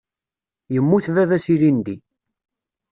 Yemmut baba-s ilindi.